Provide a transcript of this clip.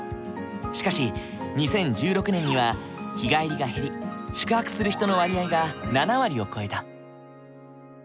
しかし２０１６年には日帰りが減り宿泊する人の割合が７割を超えた。